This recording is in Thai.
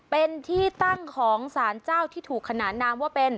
เป็นที่ตั้งของสารเจ้าที่ถูกขนานนามว่าเป็น